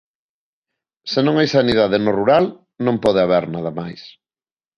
Se non hai sanidade no rural, non pode haber nada máis.